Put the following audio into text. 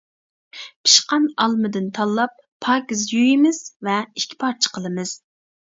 پىشقان ئالمىدىن تاللاپ، پاكىز يۇيىمىز ۋە ئىككى پارچە قىلىمىز.